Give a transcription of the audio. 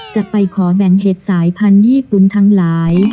จะไปขอแบ่งเห็ดสายพันธุ์ญี่ปุ่นทั้งหลาย